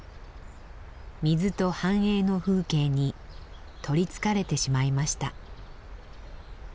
「水と反映の風景に取りつかれてしまいました。